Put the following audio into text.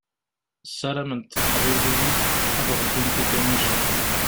Ssarament teqbayliyin ad ṛebbint ikanicen.